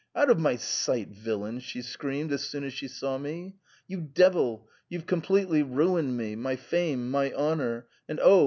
*Out of my sight, villain,' she screamed as soon as she saw me. * You devil, you've completely mined me — my fame, my honour — and oh